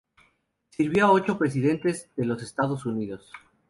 Sirvió a ocho presidentes de los Estados Unidos.